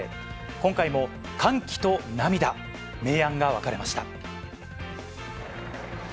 今回も歓喜と涙、明暗が分かれました。